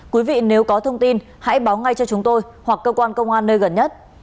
quý vị nếu có thông tin hãy báo ngay cho chúng tôi hoặc cơ quan công an nơi gần nhất